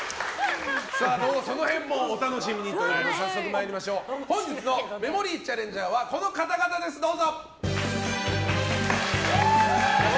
その辺もお楽しみにということで早速、本日のメモリーチャレンジャーはこの方々です、どうぞ！